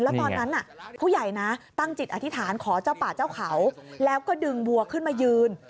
แล้วตอนนั้นผู้ใหญ่นะตั้งจิตอธิษฐานขอเจ้าป่าเจ้าเขาแล้วก็ดึงวัวขึ้นมายืน